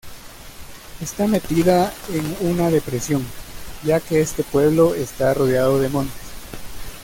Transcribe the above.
Está metida en una depresión, ya que este pueblo está rodeado de montes.